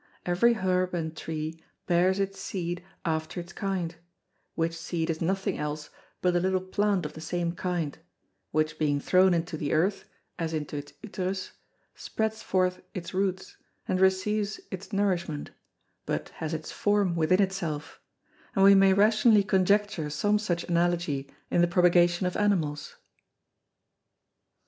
Every Herb and Tree bears its Seed after its kind; which Seed is nothing else but a little Plant of the same kind, which being thrown into the Earth, as into its Uterus, spreads forth its Roots, and receives its Nourishment, but has its form within its self, and we may rationally conjecture some such Analogy in the Propagation of Animals.